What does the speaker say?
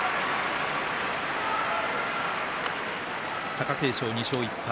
貴景勝、２勝１敗。